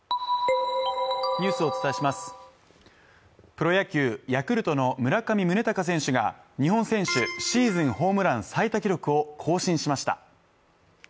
プロ野球、ヤクルトの村上宗隆選手が日本選手シーズンホームラン最多記録を更新しました。